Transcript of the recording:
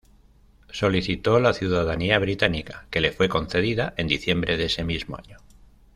Solicitó la ciudadanía británica, que le fue concedida en diciembre de ese mismo año.